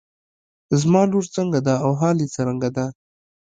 زما لور څنګه ده او حال يې څرنګه دی.